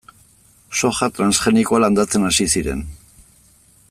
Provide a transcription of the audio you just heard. Soja transgenikoa landatzen hasi ziren.